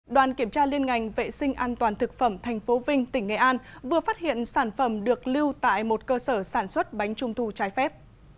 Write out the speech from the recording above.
đoàn kiểm tra liên ngành vệ sinh an toàn thực phẩm tp vinh tỉnh nghệ an vừa phát hiện sản phẩm được lưu tại một cơ sở sản xuất bánh trung thu trái phép